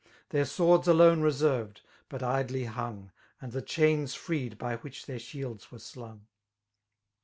Their swords alone reserved, but idfy hung^ And the chamsfreedbywhiddtfaeirshields were aluAg.